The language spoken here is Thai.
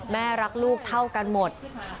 แม่รักลูกเท่ากันหมด